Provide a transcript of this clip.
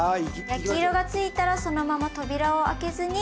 焼き色がついたらそのまま扉を開けずに。